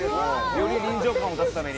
より臨場感を出すために。